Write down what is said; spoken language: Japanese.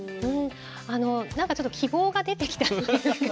なんかちょっと希望が出てきたっていうか。